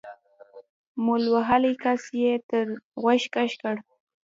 مول وهلي کس يې تر غوږ کش کړ.